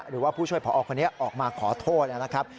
หรือว่าผู้ช่วยพอคนนี้ออกมาขอโทษนะครับ